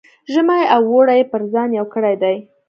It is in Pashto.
ژمی او اوړی یې پر ځان یو کړی دی.